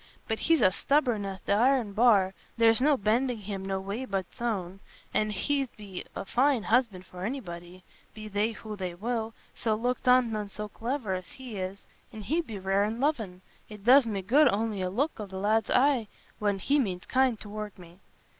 But he's as stubborn as th' iron bar—there's no bending him no way but's own. But he'd be a fine husband for anybody, be they who they will, so looked on an' so cliver as he is. And he'd be rare an' lovin': it does me good on'y a look o' the lad's eye when he means kind tow'rt me."